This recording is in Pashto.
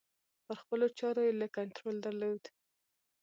پر خپلو چارو یې لږ کنترول درلود.